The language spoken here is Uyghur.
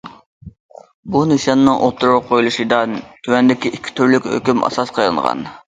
بۇ نىشاننىڭ ئوتتۇرىغا قويۇلۇشىدا تۆۋەندىكى ئىككى تۈرلۈك ھۆكۈم ئاساس قىلىنغان.